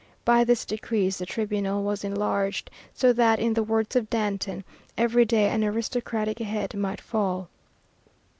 By these decrees the tribunal was enlarged so that, in the words of Danton, every day an aristocratic head might fall.